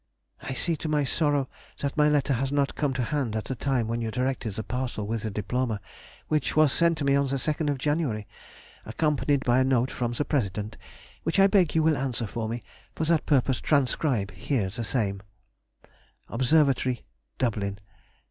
I see, to my sorrow, that my letter was not come to hand at the time when you directed the parcel with the diploma, which was sent me on the 2nd of January, accompanied by a note from the President, which I beg you will answer for me, and for that purpose transcribe here the same:— OBSERVATORY, DUBLIN, _Dec.